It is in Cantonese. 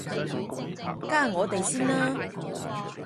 加我哋先啦